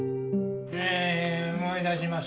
思い出します。